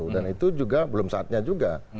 dan itu juga belum saatnya juga